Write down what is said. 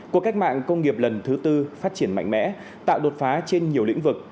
cuộc cách mạng công nghiệp lần thứ tư phát triển mạnh mẽ tạo đột phá trên nhiều lĩnh vực